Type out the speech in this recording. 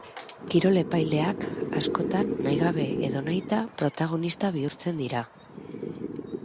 Kirol epaileak askotan, nahi gabe edo nahita, protagonista bihurtzen dira.